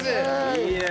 いいね。